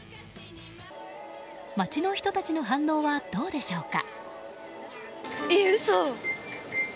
街の人たちの反応はどうでしょうか。